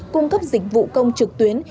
cung cấp dịch vụ công trực tuyến